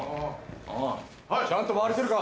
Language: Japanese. ちゃんと回れてるか？